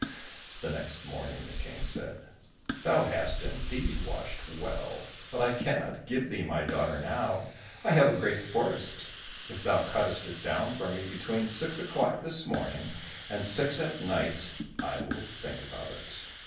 The next morning the King said, "Thou hast indeed watched well, but I cannot give thee my daughter now; I have a great forest, if thou cuttest it down for me between six o'clock this morning and six at night, I will think about it."